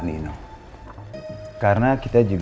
ini latar enggak yang enam belas